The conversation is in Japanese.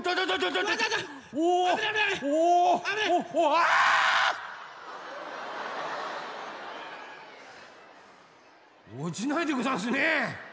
あ！おちないでござんすね。